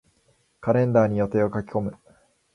カレンダーに予定を書き込む。